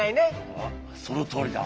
ああそのとおりだ。